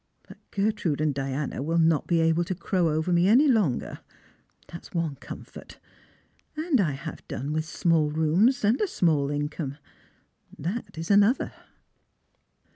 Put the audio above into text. But Gertrude and Diana will not be able to crow over me any longer, that is one comfort. And I have done with small rooms and a small income, that is another."